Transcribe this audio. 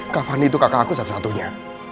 kak fani itu kakak aku satu satunya